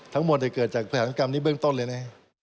ทั้งหมดเกิดจากแผนกรรมนี้เบื้องต้นเลยนะ